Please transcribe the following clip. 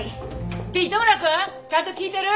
って糸村くんちゃんと聞いてる？